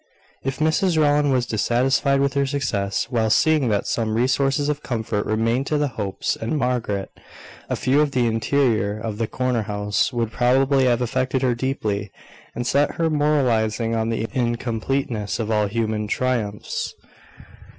If Mrs Rowland was dissatisfied with her success, while seeing that some resources of comfort remained to the Hopes and Margaret, a view of the interior of the corner house would probably have affected her deeply, and set her moralising on the incompleteness of all human triumphs.